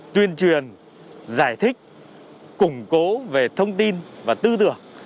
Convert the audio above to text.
tuyên truyền giải thích củng cố về thông tin và tư tưởng